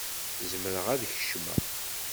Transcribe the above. Zemreɣ ad n-kecmeɣ?